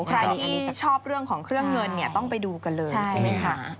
ใครที่ชอบเรื่องของเครื่องเงินเนี่ยต้องไปดูกันเลยใช่ไหมคะ